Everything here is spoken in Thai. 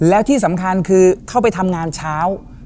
แล้วที่สำคัญคือเข้าไปทำงานเช้า